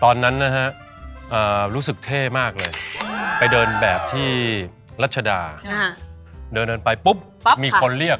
ตอนนั้นนะฮะรู้สึกเท่มากเลยไปเดินแบบที่รัชดาเดินไปปุ๊บมีคนเรียก